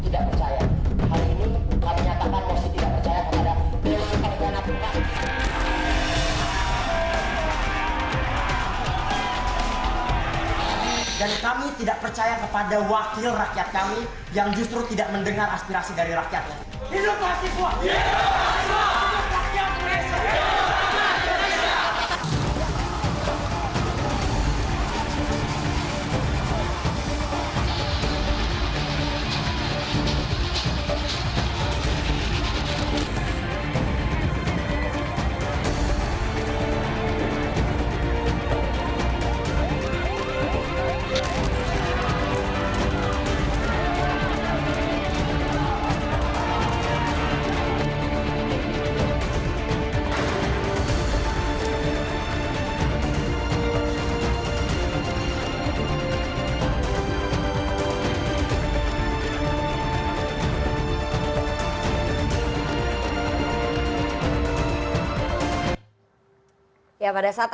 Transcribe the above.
dan kami tidak percaya kepada wakil rakyat kami yang justru tidak mendengar aspirasi dari rakyat